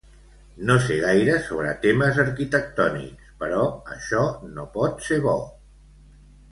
No sé gaire sobre temes arquitectònics, però això no pot ser bo.